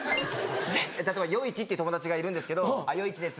例えばヨイチって友達がいるんですけど「ヨイチです」